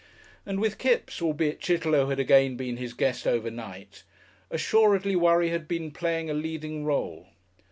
And with Kipps albeit Chitterlow had again been his guest overnight assuredly worry had played a leading rôle.